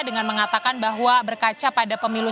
dengan mengatakan bahwa berkaca pada pemilu